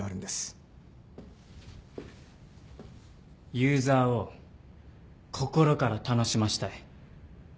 ユーザーを心から楽しませたい。